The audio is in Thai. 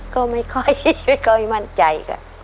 ก็ไม่ค่อยมั่นใจค่ะ